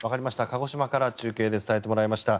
鹿児島から中継で伝えてもらいました。